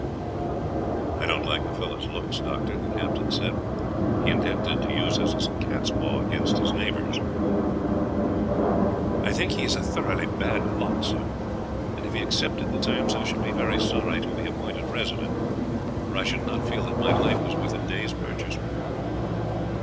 "I don't like the fellow's looks, Doctor," the captain said; "he intended to use us as a cat's paw against his neighbors." "I think that he is a thoroughly bad lot, sir; and if he accepted the terms, I should be very sorry to be appointed Resident, for I should not feel that my life was worth a day's purchase."